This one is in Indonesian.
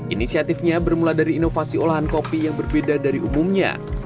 inisiatifnya bermula dari inovasi olahan kopi yang berbeda dari umumnya